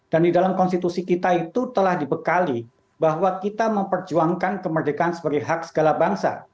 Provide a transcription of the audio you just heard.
dan di dalam konstitusi kita itu telah dibekali bahwa kita memperjuangkan kemerdekaan sebagai hak segala bangsa